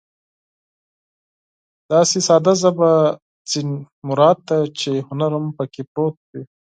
داسې ساده ژبه ترې مراد ده چې هنر هم پکې پروت وي.